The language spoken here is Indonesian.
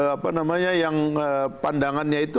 apa namanya yang pandangannya itu